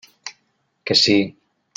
Que sí.